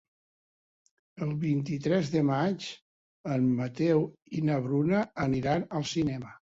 El vint-i-tres de maig en Mateu i na Bruna aniran al cinema.